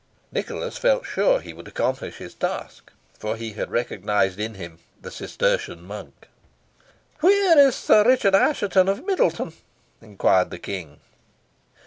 Nicholas felt sure he would accomplish his task, for he had recognised in him the Cistertian monk. "Where is Sir Richard Assheton of Middleton?" inquired the King.